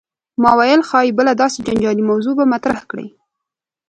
ما ویل ښايي بله داسې جنجالي موضوع به مطرح کړې.